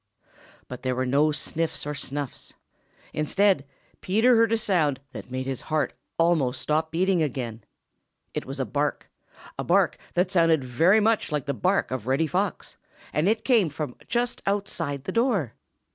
But there were no sniffs or snuffs. Instead, Peter heard a sound that made his heart almost stop beating again. It was a bark, a bark that sounded very much like the bark of Reddy Fox, and it came from just outside the door!